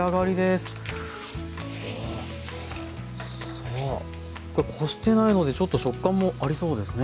さあこれこしてないのでちょっと食感もありそうですね。